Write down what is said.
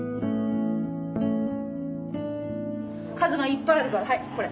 数がいっぱいあるからはいこれ。